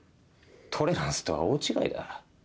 トレランスとは大違いだ。